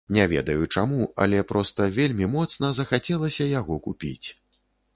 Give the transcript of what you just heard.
Не ведаю чаму, але проста вельмі моцна захацелася яго купіць.